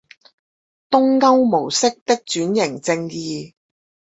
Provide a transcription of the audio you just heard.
東歐模式的轉型正義